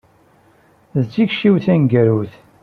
D tikci-w taneggarut.